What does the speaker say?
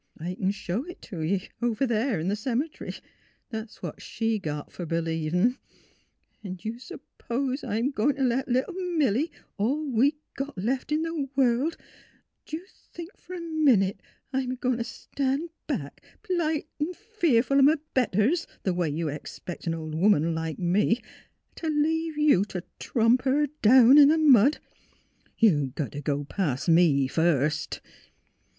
I c'n show it to ye; over there in the cem'tary. That's what she got fer b'lievin'. 'N' d' you s'pose I'm a goin' t' let little Milly — all we got left in the world — d' you think fer a minute I'm a goin' t' stan' back, p'lite an' fearful o' m' bet ters — th' way you'd expect an old woman like me — and leave you t' tromp her down in the mud? You got t' go a past me, first."